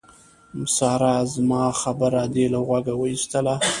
سارا! زما خبره دې له غوږه واېستله.